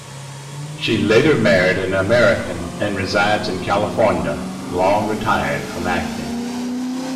She later married an American and resides in California, long retired from acting.